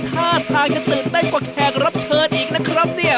ท่าทางจะตื่นเต้นกว่าแขกรับเชิญอีกนะครับเนี่ย